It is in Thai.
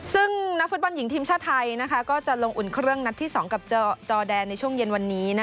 ซึ่งนักฟุตบอลหญิงทีมชาติไทยก็จะลงอุ่นเครื่องนัดที่๒กับจอแดนในช่วงเย็นวันนี้